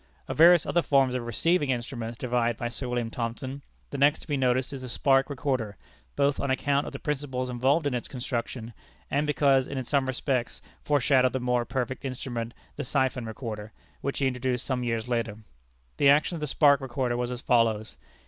Of various other forms of receiving instruments devised by Sir William Thomson, the next to be noticed is the Spark Recorder, both on account of the principles involved in its construction, and because it in some respects foreshadowed the more perfect instrument, the Siphon Recorder, which he introduced some years later. The action of the Spark Recorder was as follows.